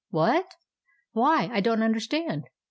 " What ? Why, I don't understand.